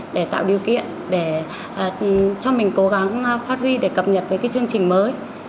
để tạo điều kiện để cho mình cố gắng phát huy để cập nhật với cái chương trình mới